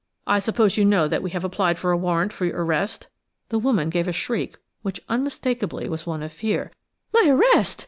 I suppose you know that we have applied for a warrant for your arrest?" The woman gave a shriek which unmistakably was one of fear. "My arrest?"